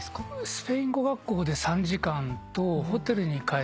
スペイン語学校で３時間とホテルに帰って４時間。